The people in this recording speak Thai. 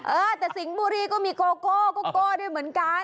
เออแต่สิงห์บุรีก็มีโกโก้โกโก้ด้วยเหมือนกัน